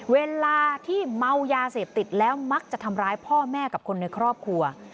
เวลาที่เมายาเสพติดแล้วมักจะทำร้ายพ่อแม่กับคนในครอบครัว